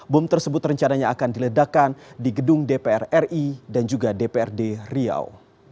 bom tersebut rencananya akan diledakkan di gedung dpr ri dan juga dprd riau